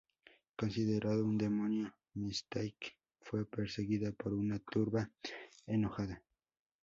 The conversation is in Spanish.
Considerado un demonio, Mystique fue perseguida por una turba enojada.